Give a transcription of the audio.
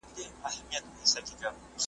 چي ناکس ته یې سپارلې سرداري وي ,